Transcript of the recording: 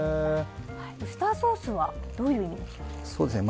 ウスターソースはどういう意味でしょうか？